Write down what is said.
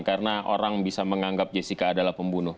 karena orang bisa menganggap jessica adalah pembunuh